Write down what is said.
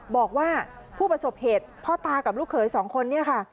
บอกว่าผู้ประสบเหตุพ่อตากับลูกเขยสองคนเนี่ยค่ะ